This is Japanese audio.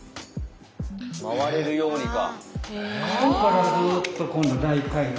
回れるようにか。